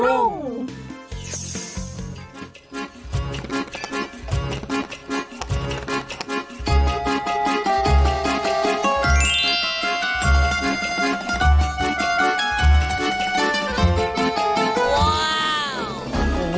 ว้าว